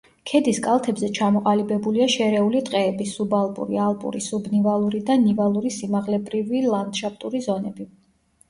ქედის კალთებზე ჩამოყალიბებულია შერეული ტყეების, სუბალპური, ალპური, სუბნივალური და ნივალური სიმაღლებრივი ლანდშაფტური ზონები.